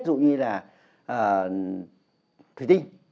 dụ như là thủy tinh